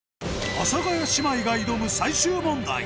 阿佐ヶ谷姉妹が挑む最終問題